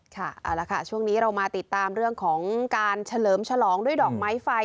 ค่ะเอาละค่ะช่วงนี้เรามาติดตามเรื่องของการเฉลิมฉลองด้วยดอกไม้ไฟ